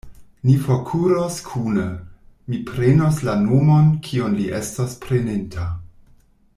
Ni forkuros kune: mi prenos la nomon, kiun li estos preninta.